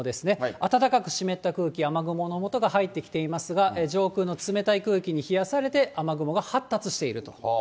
暖かく湿った空気、雨雲のもとが入ってきていますが、上空の冷たい空気に冷やされて、雨雲が発達していると。